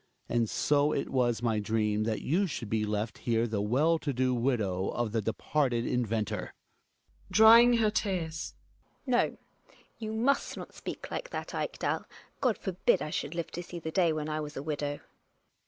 And so it was my dream that you should be left here the well to do widow of the departed inventor. u THE WILD DUCK. 91 GiNA {drying her tears). No, you must not speak like that, Ekdal. God forbid I should live to see the day when I was a widow